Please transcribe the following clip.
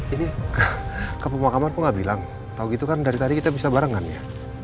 ini ke pemakaman aku gak bilang tau gitu kan dari tadi kita bisa barengan ya